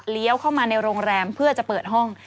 เข้ามาในโรงแรมเพื่อจะเปิดห้อง